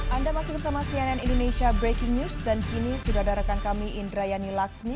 anda masih bersama cnn indonesia breaking news dan kini sudah ada rekan kami indrayani laksmi